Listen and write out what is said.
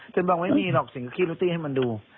ฉันบอกว่าไม่มีหรอกฉันก็คิดว่าที่ให้มันดู